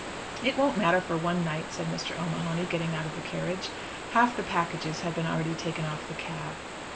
"It won't matter for one night," said Mr. O'Mahony, getting out of the carriage. Half the packages had been already taken off the cab.